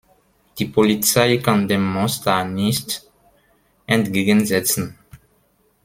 Die Polizei kann dem Monster nichts entgegensetzen.